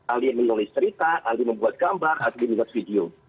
ahli yang menulis cerita ahli membuat gambar ahli membuat video